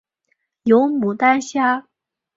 有牡丹虾